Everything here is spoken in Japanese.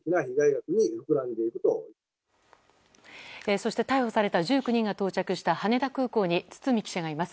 そして逮捕された１９人が到着した羽田空港に堤記者がいます。